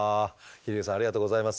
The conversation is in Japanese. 飛龍さんありがとうございます。